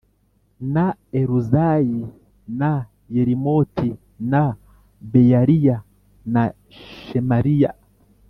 Na eluzayi na yerimoti na beyaliya na shemariya